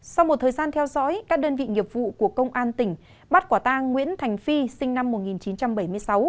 sau một thời gian theo dõi các đơn vị nghiệp vụ của công an tỉnh bắt quả tang nguyễn thành phi sinh năm một nghìn chín trăm bảy mươi sáu